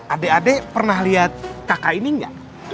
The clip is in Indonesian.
adik adik pernah lihat kakak ini enggak